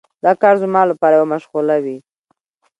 دا کار زما لپاره یوه مشغله وي.